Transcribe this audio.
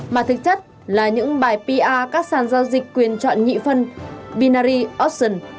mà thực chất là những bài pr các sàn giao dịch quyền chọn nhị phân binary otion